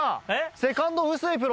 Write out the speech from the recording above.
セカンド臼井プロ